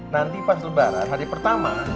nanti pas lebaran hari pertama